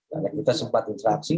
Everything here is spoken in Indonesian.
karena kita sempat interaksi